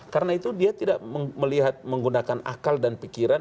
karena itu dia tidak menggunakan akal dan pikiran